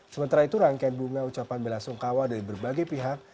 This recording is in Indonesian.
sementara itu rangkaian bunga ucapan bela sungkawa dari berbagai pihak